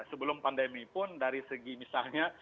sebelum pandemi pun dari segi misalnya